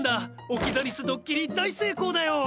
オキザリスドッキリ大成功だよ！